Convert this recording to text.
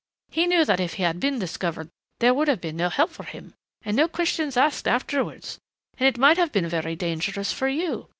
He knew that if he had been discovered there would have been no help for him and no questions asked afterwards. And it might have been very dangerous for you.